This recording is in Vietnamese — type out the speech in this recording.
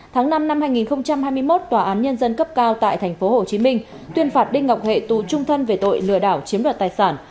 tháng năm năm hai nghìn hai mươi một tòa án nhân dân cấp cao tại tp hcm tuyên phạt đinh ngọc hệ tù trung thân về tội lừa đảo chiếm đoạt tài sản